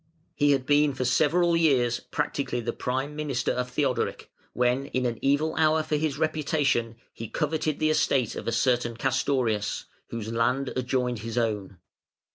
He had been for several years practically the Prime Minister of Theodoric, when in an evil hour for his reputation he coveted the estate of a certain Castorius, whose land adjoined his own.